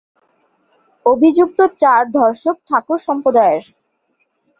অভিযুক্ত চার ধর্ষক ঠাকুর সম্প্রদায়ের।